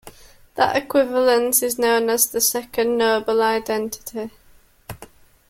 That equivalence is known as the "second Noble identity".